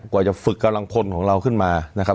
กว่าจะฝึกกำลังพลของเราขึ้นมานะครับ